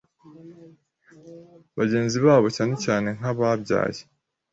bagenzi babo cyane cyane nk’ababyaye